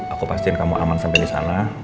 aku pastiin kamu aman sampe disana